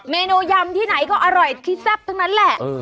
เมนูยำที่ไหนก็อร่อยที่แซ่บทั้งนั้นแหละ